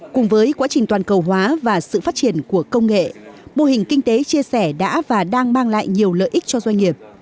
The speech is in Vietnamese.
cùng với quá trình toàn cầu hóa và sự phát triển của công nghệ mô hình kinh tế chia sẻ đã và đang mang lại nhiều lợi ích cho doanh nghiệp